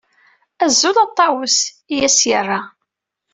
Azul a Ṭawes! I as-yerra.